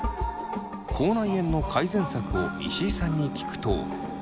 口内炎の改善策を石井さんに聞くとうがい薬で。